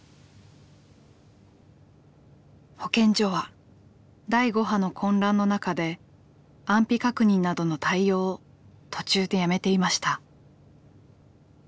保健所は第５波の混乱の中で安否確認などの対応を途中でやめていました。